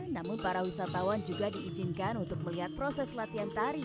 namun para wisatawan juga diizinkan untuk melihat proses latihan tari